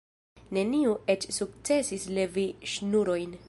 Neniu eĉ sukcesis levi ŝnurojn.